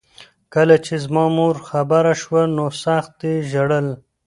کله چې زما مور خبره شوه نو سخت یې ژړل